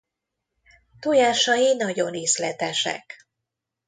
Tojásai nagyon ízletesek.